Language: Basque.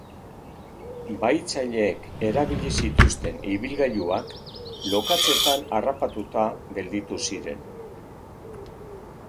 Bahitzaileek erabili zituzten ibilgailuak lokatzetan harrapatuta gelditu ziren.